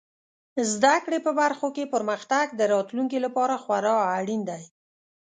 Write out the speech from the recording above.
زده کړې په برخو کې پرمختګ د راتلونکي لپاره خورا اړین دی.